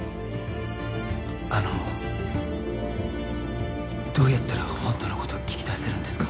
あのどうやったらホントのこと聞き出せるんですか？